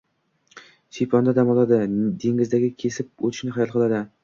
Shiyponda dam oladi, dengizni kesib oʻtishni xayol qiladi